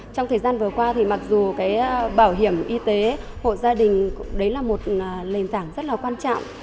trong thời gian vừa qua mặc dù bảo hiểm y tế hộ gia đình là một nền tảng rất quan trọng